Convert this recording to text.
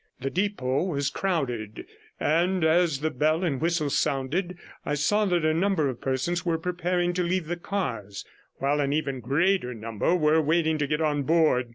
The depot was crowded; and as the bell and whistle sounded, I saw that a number of persons were preparing to leave the cars, while an even greater number were waiting to get on board.